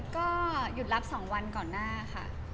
ก็หยุดรับ๒วันก่อนหน้าค่ะ